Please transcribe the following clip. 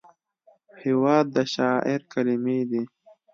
هېواد د شاعر کلمې دي.